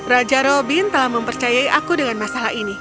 raja robin telah mempercayai aku dengan masalah ini